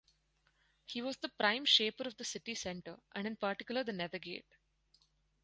He was the prime shaper of the city centre and in particular the Nethergate.